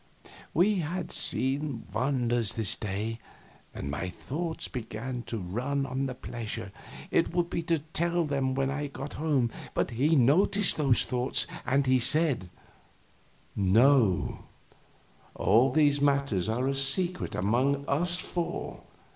We had seen wonders this day; and my thoughts began to run on the pleasure it would be to tell them when I got home, but he noticed those thoughts, and said: "No, all these matters are a secret among us four.